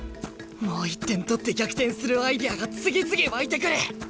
もう１点取って逆転するアイデアが次々湧いてくる！